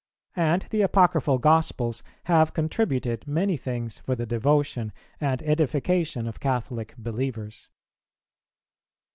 And the Apocryphal gospels have contributed many things for the devotion and edification of Catholic believers.